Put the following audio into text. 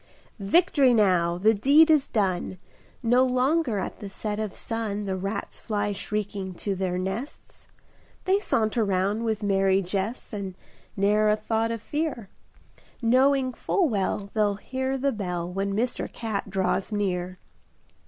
Victory now! the deed is done! No longer at the set of sun [Pg 39] The rats fly shrieking to their nests, They saunter round with merry jests And ne'er a thought of fear, Knowing full well They'll hear the bell When Mr. Cat draws near.